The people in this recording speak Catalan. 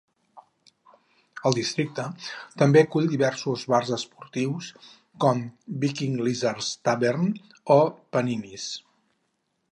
El districte també acull diversos bars esportius, com Winking Lizard Tavern o Panini's.